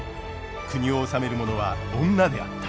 国を治める者は女であった。